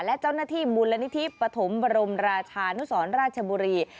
และเจ้าหน้าที่มูลนิธิปฐมบรมราชานุสรราชบุรี